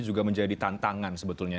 juga menjadi tantangan sebetulnya